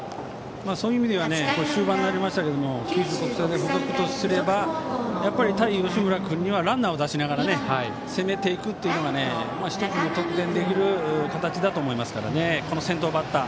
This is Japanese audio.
そういう意味では終盤になりましたが九州国際大付属とすればやはり、対吉村君にはランナーを出しながら攻めていくというのが１つの得点できる形だと思いますからこの先頭バッター